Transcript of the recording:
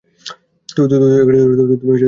তুমি ভালো একজন মানুষ।